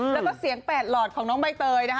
แล้วก็เสียง๘หลอดของน้องใบเตยนะคะ